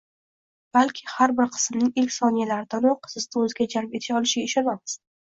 balki har bir qismniig ilk soniyalaridanoq sizni o’ziga jalb eta olishiga ishonamiz.